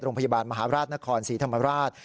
โรงพยาบาลมหาราชนครศรีธรรมราช